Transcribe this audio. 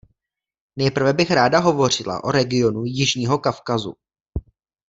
Nejprve bych ráda hovořila o regionu Jižního Kavkazu.